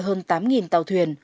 hơn tám tàu thuyền